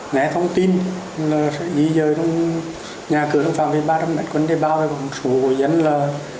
nghe thông tin là sự di dời trong nhà cửa phòng viên ba trăm linh mạng quân đề báo và bằng số hội dân là